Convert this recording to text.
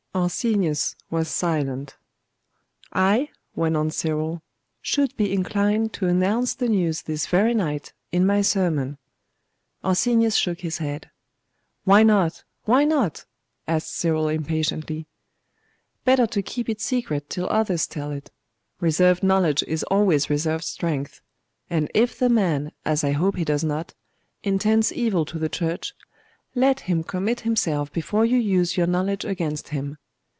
Arsenius was silent. 'I,' went on Cyril, 'should be inclined to announce the news this very night, in my sermon.' Arsenius shook his head. 'Why not? why not?' asked Cyril impatiently. 'Better to keep it secret till others tell it. Reserved knowledge is always reserved strength; and if the man, as I hope he does not, intends evil to the Church, let him commit himself before you use your knowledge against him.